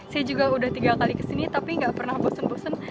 saya juga udah tiga kali kesini tapi gak pernah bosan bosan